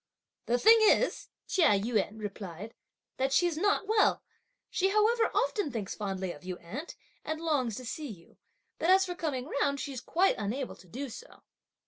"The thing is," Chia Yün replied, "that she's not well: she, however, often thinks fondly of you, aunt, and longs to see you; but as for coming round, she's quite unable to do so."